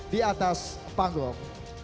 di atas panggung